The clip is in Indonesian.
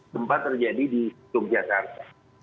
tempat terjadi di yogyakarta